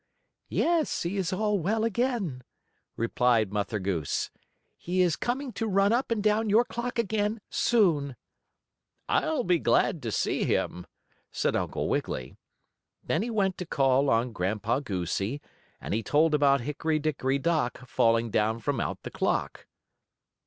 "Yes, he is all well again," replied Mother Goose. "He is coming to run up and down your clock again soon." "I'll be glad to see him," said Uncle Wiggily. Then he went to call on Grandpa Goosey, and he told about Hickory Dickory Dock, falling down from out the clock.